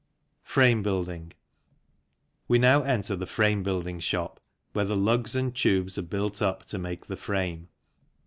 Frame Building. We now enter the frame building shop, where the lugs and tubes are built up to make the frame.